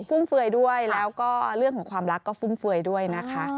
ฟุ่มเฟือยด้วยแล้วก็เรื่องของความรักก็ฟุ่มเฟือยด้วยนะคะ